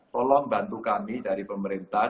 tolong bantu kami dari pemerintah